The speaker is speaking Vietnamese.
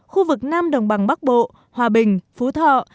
khu vực nam đồng bằng bắc bộ hòa bình phú thọ